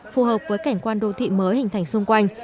phù hợp với cảnh quan đô thị mới hình thành xung quanh